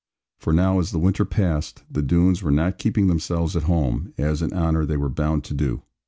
For now as the winter passed, the Doones were not keeping themselves at home, as in honour they were bound to do.